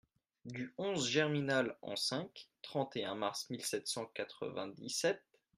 Du onze germinal an cinq (trente et un mars mille sept cent quatre-vingt-dix-sept).